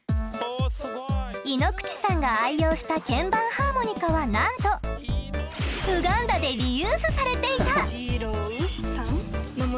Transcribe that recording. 井ノ口さんが愛用した鍵盤ハーモニカはなんとウガンダでリユースされていた！